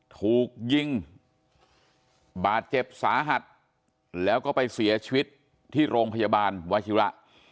ถูกยิงบาดเจ็บสาหัสแล้วก็ไปเสียชีวิตที่โรงพยาบาลวชิระ